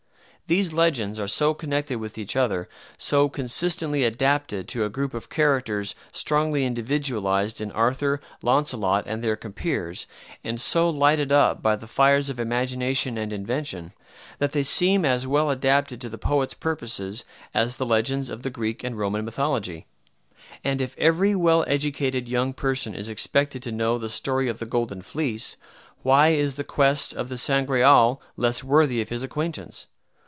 These legends are so connected with each other, so consistently adapted to a group of characters strongly individualized in Arthur, Launcelot, and their compeers, and so lighted up by the fires of imagination and invention, that they seem as well adapted to the poet's purpose as the legends of the Greek and Roman mythology. And if every well educated young person is expected to know the story of the Golden Fleece, why is the quest of the Sangreal less worthy of his acquaintance?